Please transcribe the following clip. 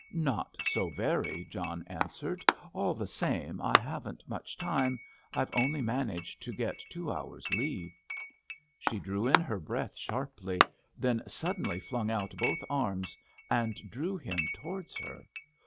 "Not so very," John answered; "all the same, I haven't much time—I've only managed to get two hours' leave." She drew in her breath sharply, then suddenly flung out both arms and drew him towards her.